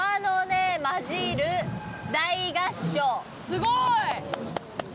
すごい！